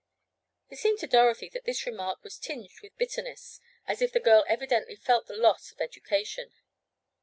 It seemed to Dorothy that this remark was tinged with bitterness; as if the girl evidently felt the loss of education.